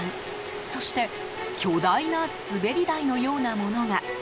そして巨大な滑り台のようなものが。